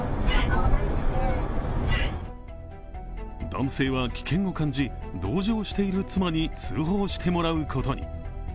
男性は危険を感じ同乗している妻に通報してもらうことに。